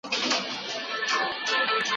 له سندرو اوښکي اوري په سرو ساندو ترانه وي